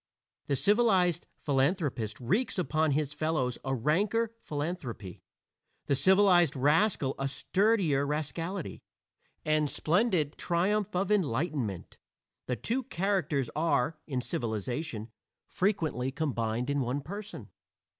The civilized philanthropist wreaks upon his fellows a ranker philanthropy, the civilized rascal a sturdier rascality. And splendid triumph of enlightenment! the two characters are, in civilization, frequently combined in one person.